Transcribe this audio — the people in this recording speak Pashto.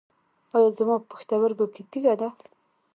ایا زما په پښتورګي کې تیږه ده؟